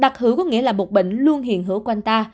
đặc hữu có nghĩa là một bệnh luôn hiện hữu quanh ta